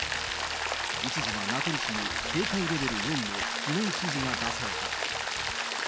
一時は名取市に警戒レベル４の避難指示が出された。